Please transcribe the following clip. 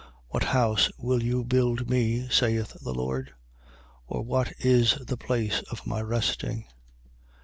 What house will you build me (saith the Lord)? Or what is the place of my resting?